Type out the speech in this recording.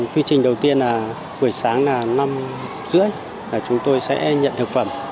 quy trình đầu tiên là buổi sáng năm h ba mươi chúng tôi sẽ nhận thực phẩm